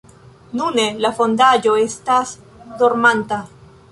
Nune, la fondaĵo estas dormanta.